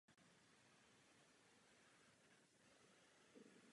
Důvodem byla vedle nízké nosnosti stabilita.